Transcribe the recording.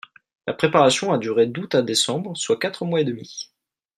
La préparation a durée d'Août à Décembre, soit quatre mois et demi